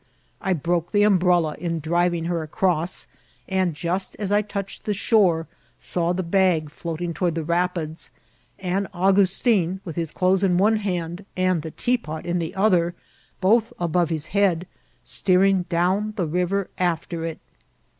I broke the umbrella in driving her across ; and, just as I touched the shore, saw the bag floating toward the rapids, and Augustin, with his clothes in one hand and the teapot in the other, both above his head, steering down the river after it.